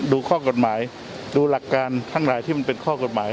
ดูข้อกฎหมายดูหลักการทั้งหลายที่มันเป็นข้อกฎหมาย